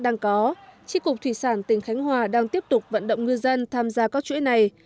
tri cục thủy sản tỉnh khánh hòa đang tiếp tục vận động ngư dân tham gia các chuỗi này